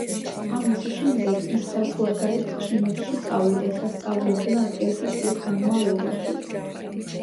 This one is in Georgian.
ამის შემდეგ, ის საზღვარგარეთ ჩინეთში წავიდა სასწავლებლად ერთი წლის განმავლობაში.